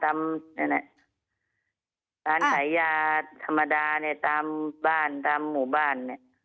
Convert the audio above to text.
ร้านขายยาธรรมดาตามบ้านตามหมู่บ้าน